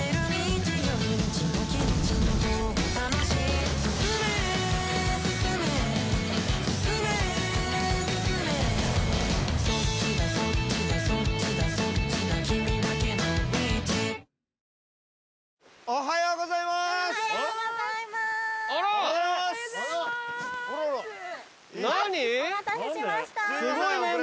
・おはようございます。